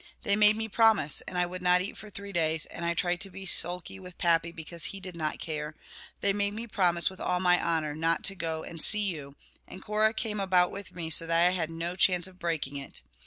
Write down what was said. They made me promise, and I would not eat for three days, and I tried to be sulky with Pappy because he did not care; they made me promise with all my honour not to go and see you, and Cora came about with me so that I had no chance of breaking it.